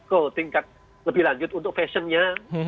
ke tingkat lebih lanjut untuk fashionnya